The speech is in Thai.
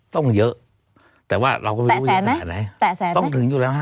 ต้องเยอะแต่ว่าเราก็แปะแสนไหมแปะแสนไหมต้องถึงอยู่แล้วฮะ